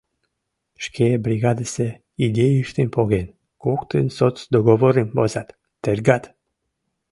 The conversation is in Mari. Шке бригадысе идейыштым поген, коктын соцдоговорым возат, тергат.